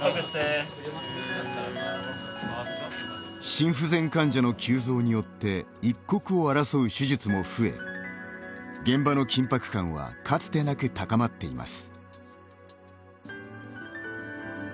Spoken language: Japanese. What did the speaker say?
心不全患者の急増によって一刻を争う手術も増え現場の緊迫感はかつてなく高まっています。